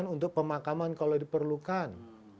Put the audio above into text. untuk pemakaman kalau diperlukan